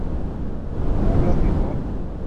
El invierno es frío, con frecuentes nevadas y deshielos.